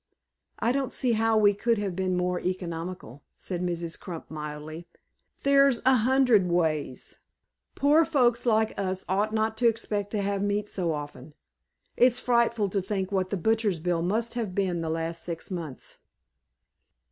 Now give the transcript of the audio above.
"I don't see how we could have been more economical," said Mrs. Crump, mildly. "There's a hundred ways. Poor folks like us ought not to expect to have meat so often. It's frightful to think what the butcher's bill must have been the last six months."